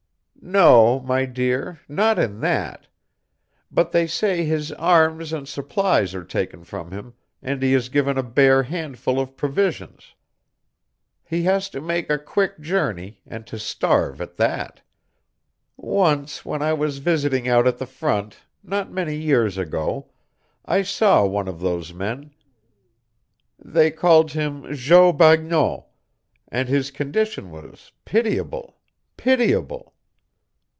"No, my dear, not in that. But they say his arms and supplies are taken from him, and he is given a bare handful of provisions. He has to make a quick journey, and to starve at that. Once when I was visiting out at the front, not many years ago, I saw one of those men they called him Jo Bagneau and his condition was pitiable pitiable!"